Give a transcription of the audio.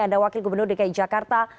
anda wakil gubernur dki jakarta